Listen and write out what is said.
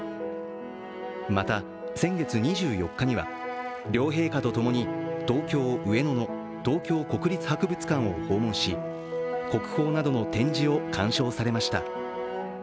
また、先月２４日には、両陛下とともに、東京・上野の東京国立博物館を訪問し国宝などの展示を鑑賞されました。